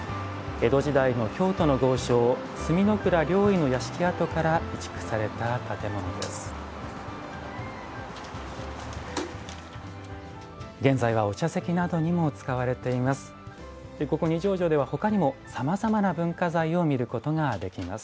江戸時代の京都の豪商角倉了以の屋敷跡から移築された建物です。